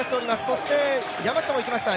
そして、山下もいきました。